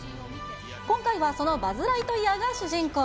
今回はそのバズ・ライトイヤーが主人公。